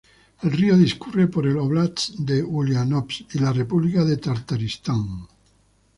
El río discurre por el óblast de Uliánovsk y la república de Tartaristán.